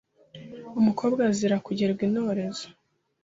Umukobwa azira kugerwa intorezo